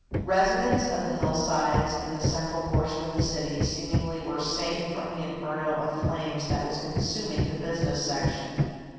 Residents of the hillsides in the central portion of the city seemingly were safe from the inferno of flames that was consuming the business section.